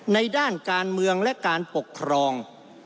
ด้านการเมืองและการปกครอง